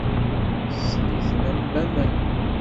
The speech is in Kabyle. Tessen-iten am waman.